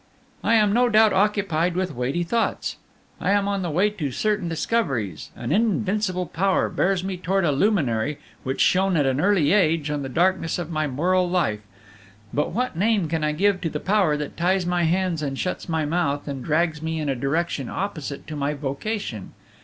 "I am no doubt occupied with weighty thoughts, I am on the way to certain discoveries, an invincible power bears me toward a luminary which shone at an early age on the darkness of my moral life; but what name can I give to the power that ties my hands and shuts my mouth, and drags me in a direction opposite to my vocation?